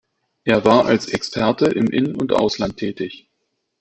Er war als Experte im In- und Ausland tätig.